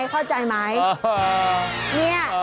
เข้าใจไหม